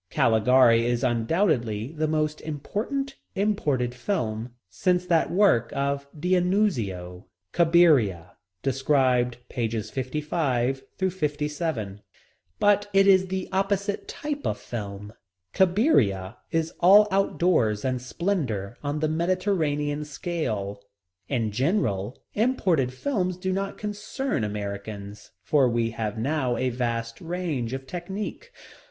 Caligari is undoubtedly the most important imported film since that work of D'Annunzio, Cabiria, described pages 55 through 57. But it is the opposite type of film. Cabiria is all out doors and splendor on the Mediterranean scale. In general, imported films do not concern Americans, for we have now a vast range of technique.